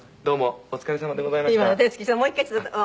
「どうも」。